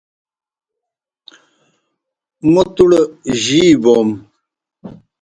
موْ تُوڑ جی بَوْم۔